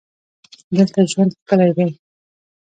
دلته ژوند ښکلی دی.